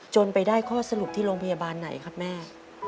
ไปได้ข้อสรุปที่โรงพยาบาลไหนครับแม่